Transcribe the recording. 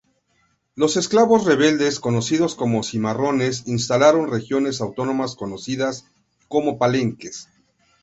Los esclavos rebeldes, conocidos como cimarrones, instalaron regiones autónomas conocidas como palenques.